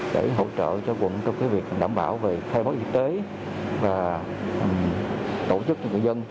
để hỗ trợ cho quận trong việc đảm bảo về khai báo y tế và tổ chức cho người dân